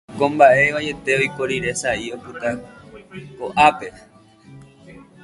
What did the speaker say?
pe mba'e vaiete oiko rire sa'i opyta ko'ápe